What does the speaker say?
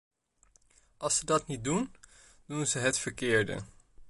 Als ze dat niet doen, doen ze het verkeerde.